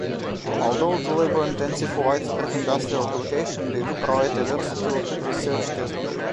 Although too labor-intensive for widespread industrial application, they do provide a versatile research testbed.